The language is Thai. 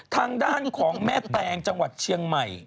ทางด้านของแม่แตงจังหวัดเชียงใหม่